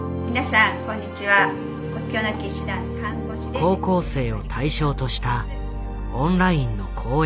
高校生を対象としたオンラインの講演会。